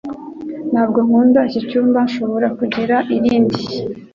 Ntabwo nkunda iki cyumba. Nshobora kugira irindi?